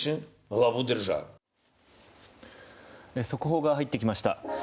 速報が入ってきました。